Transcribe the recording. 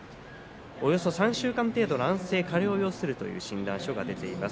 およそ３週間程度の安静加療を要するという診断書が出ています。